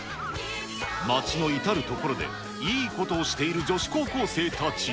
街の至る所で、いいことをしている女子高校生たち。